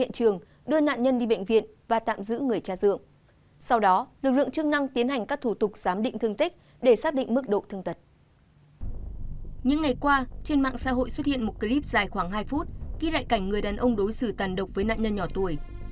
những ngày qua trên mạng xã hội xuất hiện một clip dài khoảng hai phút ghi lại cảnh người đàn ông đối xử tàn độc với nạn nhân nhỏ tuổi